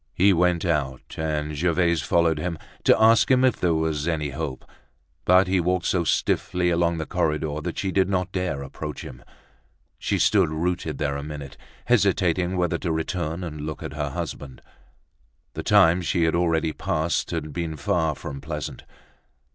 He went out and Gervaise followed him, to ask him if there was any hope. But he walked so stiffly along the corridor, that she did not dare approach him. She stood rooted there a minute, hesitating whether to return and look at her husband. The time she had already passed had been far from pleasant.